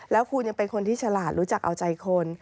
แล้วคุณยังเป็นคนที่ฉลาดรู้จักเอาใจคน